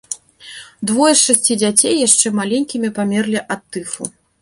Двое з шасці дзяцей яшчэ маленькімі памерлі ад тыфу.